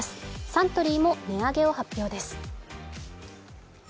サントリーも値上げを発表です。